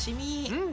うん！